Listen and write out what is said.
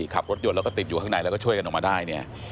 ขับรถยนต์แล้วก็ติดอยู่ข้างในแล้วก็ช่วยกันออกมาได้เนี่ย